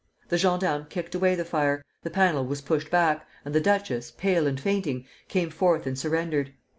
The gendarmes kicked away the fire, the panel was pushed back, and the duchess, pale and fainting, came forth and surrendered.